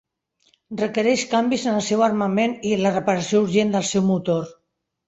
Requereix canvis en el seu armament i la reparació urgent del seu motor.